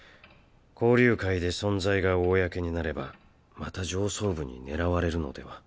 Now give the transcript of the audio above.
交流会で存在が公になればまた上層部に狙われるのでは？